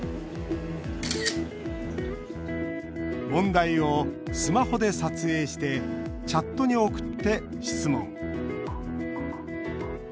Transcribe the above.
問題をスマホで撮影してチャットに送って質問。